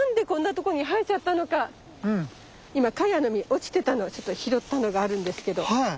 今カヤの実落ちてたのちょっと拾ったのがあるんですけど。